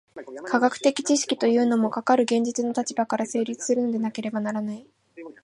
科学的知識というのも、かかる現実の立場から成立するのでなければならない。